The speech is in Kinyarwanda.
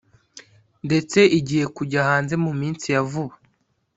ndetse igiye kujya hanze mu minsi ya vuba